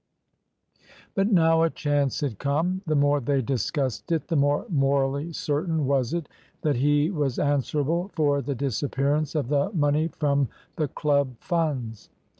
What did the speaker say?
But now a chance had come. The more they discussed it, the more morally certain was it that he was answerable for the disappearance of the money from the Club funds.